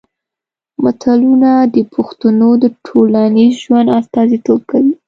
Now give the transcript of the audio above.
متلونه د پښتنو د ټولنیز ژوند استازیتوب کوي